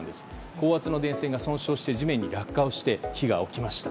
高圧電線が損傷して地面に落下をして火が起きました。